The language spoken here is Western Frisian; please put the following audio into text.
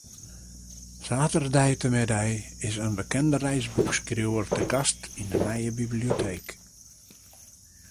Saterdeitemiddei is in bekende reisboekeskriuwer te gast yn de nije biblioteek.